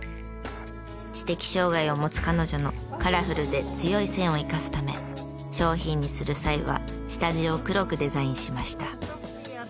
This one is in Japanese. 知的障害を持つ彼女のカラフルで強い線を生かすため商品にする際は下地を黒くデザインしました。